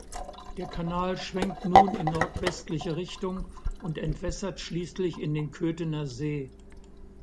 Der Kanal schwenkt nun in nordwestliche Richtung und entwässert schließlich in den Köthener See.